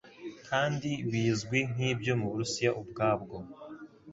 Kandi bizwi nkibyo muburusiya ubwabwo